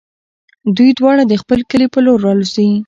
دوی دواړه د خپل کلي په لور الوزي.